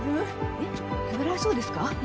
えっ食べられそうですか？